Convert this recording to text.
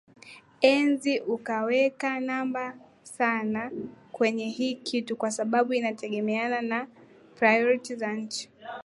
ezi ukaweka numbers sana kwenye hii kitu kwa sababu inategemea na priorities za nchi